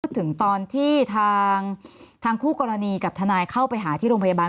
ถึงตอนที่ทางคู่กรณีกับทนายเข้าไปหาที่โรงพยาบาล